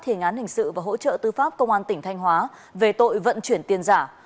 thiền án hình sự và hỗ trợ tư pháp công an tỉnh thanh hóa về tội vận chuyển tiền giả